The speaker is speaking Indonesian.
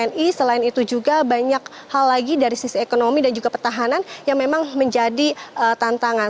jadi selain itu juga banyak hal lagi dari sisi ekonomi dan juga pertahanan yang memang menjadi tantangan